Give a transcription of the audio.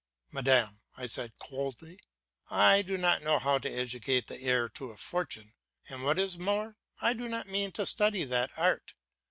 "Madam," I said coldly, "I do not know how to educate the heir to a fortune, and what is more, I do not mean to study that art.